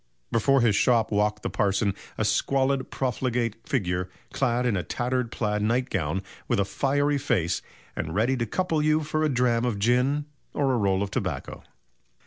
Before his shop walked the parson "a squalid, profligate figure, clad in a tattered plaid nightgown, with a fiery face, and ready to couple you for a dram of gin, or roll of tobacco."